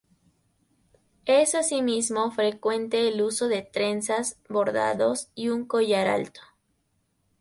Es asimismo frecuente el uso de trenzas, bordados y un collar alto.